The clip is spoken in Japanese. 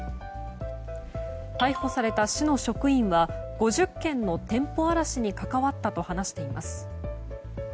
逮捕された市の職員は５０件の店舗荒らしに関わったと話しています。